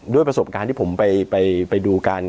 ด้วยประสบการณ์ที่ผมไปดูกัน